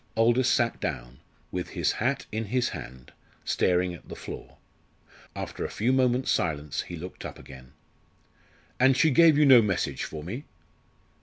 Aldous sat down, with his hat in his hand, staring at the floor. After a few moments' silence he looked up again. "And she gave you no message for me?"